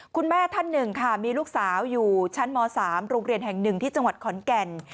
คุณแม่ท่านหนึ่งค่ะมีลูกสาวอยู่ชั้นม๓โรงเรียนแห่ง๑ที่จังหวัดขอนแก่น